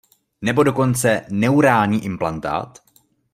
Nebo dokonce neurální implantát?